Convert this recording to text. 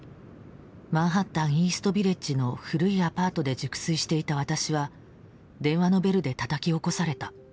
マンハッタンイースト・ビレッジの古いアパートで熟睡していた私は電話のベルでたたき起こされた。